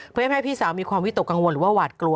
เพื่อให้พี่สาวมีความวิตกกังวลหรือว่าหวาดกลัว